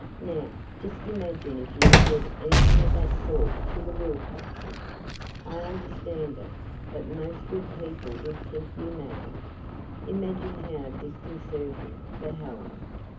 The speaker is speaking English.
Now, just imagine if you said anything of that sort to the Wilcoxes. I understand it, but most good people would think you mad. Imagine how disconcerting for Helen!